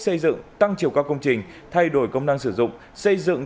xây dựng tăng chiều cao công trình thay đổi công năng sử dụng